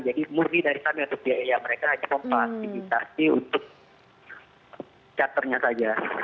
jadi murid dari kami untuk biaya mereka hanya memfasilitasi untuk charternya saja